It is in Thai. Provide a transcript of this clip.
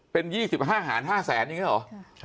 เป็น๒๕หา๕๐๐๐๐อย่างนี้หรอ